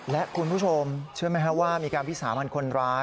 และคุณผู้ชมเชื่อไหมครับว่ามีการวิสามันคนร้าย